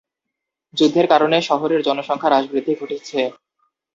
যুদ্ধের কারণে শহরের জনসংখ্যা হ্রাস-বৃদ্ধি ঘটেছে।